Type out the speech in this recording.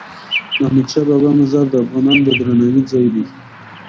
د احمدشاه بابا مزار د افغانانو د درناوي ځای دی.